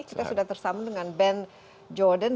kita sudah tersambung dengan ben jordan